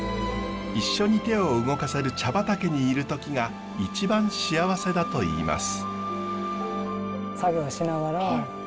一緒に手を動かせる茶畑にいる時が一番幸せだといいます。